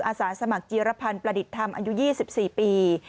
อาสาสมัครจีรพันธ์ประดิษฐ์ธรรมอายุ๒๔ปี